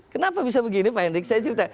kenapa bisa begini pak hendrik saya cerita